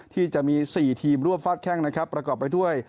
ที่จะมี๔ทีมร่วมฟาดแค่งประกอบไปด้วย